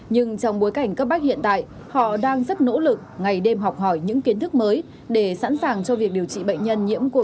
nhưng trong bối cảnh các bác hiện tại họ đang rất nỗ lực ngày đêm học hỏi những kiến thức mới để sẵn sàng cho việc điều trị bệnh nhân nhiễm covid một mươi